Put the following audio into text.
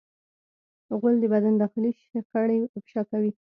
غول د بدن داخلي شخړې افشا کوي.